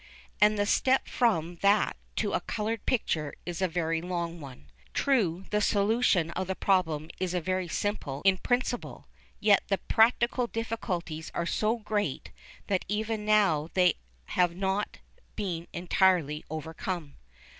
And the step from that to a coloured picture is a very long one. True, the solution of the problem is very simple in principle, yet the practical difficulties are so great that even now they have not been entirely overcome.